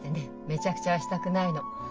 めちゃくちゃはしたくないの。